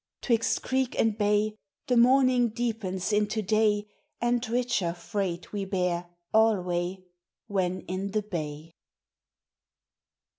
'Twixt creek and bay The morning deepens into day, And richer freight we bear, alway, When in the bay.